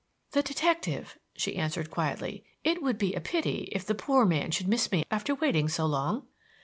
"The detective," she answered quietly. "It would be a pity if the poor man should miss me after waiting so long.